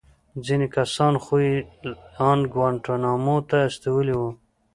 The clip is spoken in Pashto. ځينې کسان خو يې ان گوانټانامو ته استولي وو.